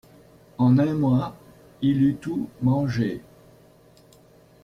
En un mois, il eut tout mangé.